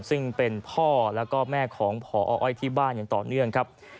ซึ่งเป็นพ่อแล้วก็แม่ของพออ้อยที่บ้านอย่างต่อเนื่องครับ